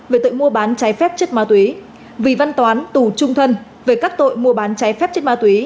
về tội mua bán cháy phép chất ma tuế vì văn toán tù trung thân về các tội mua bán cháy phép chất ma tuế